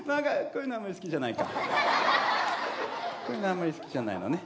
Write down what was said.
こういうのあんまり好きじゃないのね。